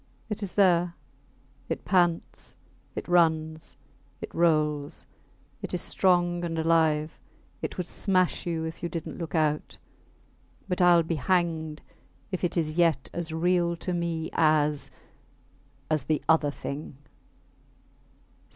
It is there; it pants, it runs, it rolls; it is strong and alive; it would smash you if you didnt look out; but Ill be hanged if it is yet as real to me as ... as the other thing